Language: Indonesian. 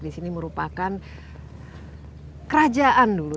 di sini merupakan kerajaan dulu